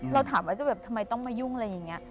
เราถามว่าจะแบบทำไมต้องมายุ่งอะไรอย่างนี้